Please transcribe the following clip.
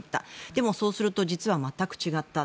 でもそうすると実は全く違った。